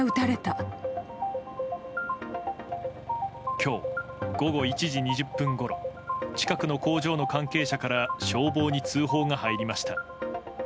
今日午後１時２０分ごろ近くの工場の関係者から消防に通報が入りました。